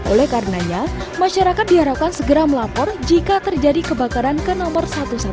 oleh karenanya masyarakat diharapkan segera melapor jika terjadi kebakaran ke nomor satu ratus dua belas